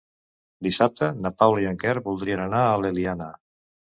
Dissabte na Paula i en Quer voldrien anar a l'Eliana.